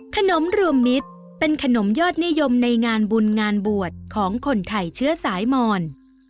ขนมรวมมิตรเป็นขนมยอดนิยมในงานบุญงานบวชของคนไทยเชื้อสายมอน